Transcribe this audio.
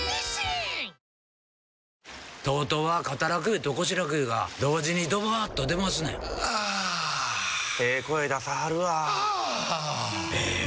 ＴＯＴＯは肩楽湯と腰楽湯が同時にドバーッと出ますねんあええ声出さはるわあええ